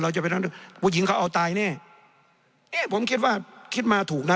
จะไปทำผู้หญิงเขาเอาตายแน่เอ๊ะผมคิดว่าคิดมาถูกนะ